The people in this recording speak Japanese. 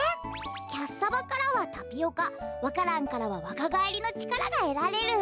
キャッサバからはタピオカわか蘭からはわかがえりのちからがえられる。